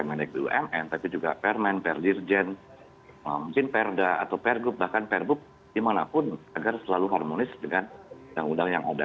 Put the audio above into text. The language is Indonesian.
mungkin perda atau pergrup bahkan pergrup dimanapun agar selalu harmonis dengan undang undang yang ada